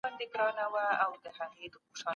ادب د انسان د ژوند هنداره ده.